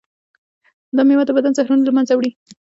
دا میوه د بدن زهرونه له منځه وړي.